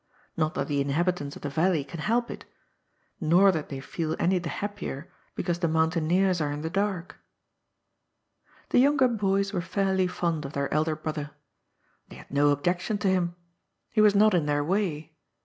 Not that the inhabitants of the valley can help it. Nor that they feel any the happier because the mountaineers are in the dark. The younger boys were fairly fond of their elder broth 2 18 GOD'S FOOL. er. They had no objection to him. He was not in their way.